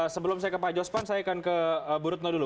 sebelum saya ke pak jospan saya akan ke bu retno dulu